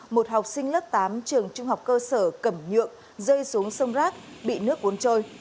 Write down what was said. một học sinh lớp tám trường trung học cơ sở cẩm nhượng rơi xuống sông rác bị nước cuốn trôi